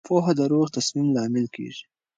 پوهه د روغ تصمیم لامل کېږي.